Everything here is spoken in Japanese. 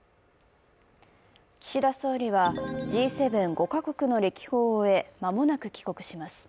岸田総理はＧ７・５か国の歴訪を終え間もなく帰国します。